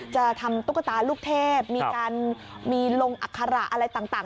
จะทำตุ๊กตาลูกเทพมีการมีลงอัคระอะไรต่าง